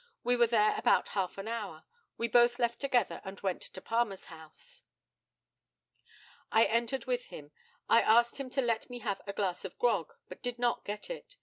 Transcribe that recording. We were there about half an hour. We both left together and went to Palmer's house. I entered with him. I asked him to let me have a glass of grog, but did not get it.